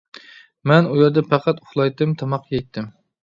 مەن ئۇ يەردە پەقەت ئۇخلايتتىم، تاماق يەيتتىم.